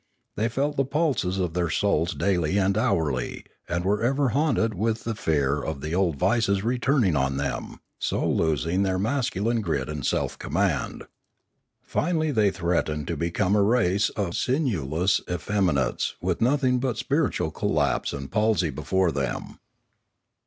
They felt the pulses of their souls daily and hourly, and were ever haunted with the fear of the old vices returning on them, so losing their masculine grit and self command. Fin ally they threatened to become a race of sinewless 558 Limanora effeminates with nothing but spiritual collapse and palsy before them.